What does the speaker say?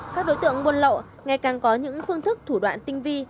các đối tượng buôn lậu ngày càng có những phương thức thủ đoạn tinh vi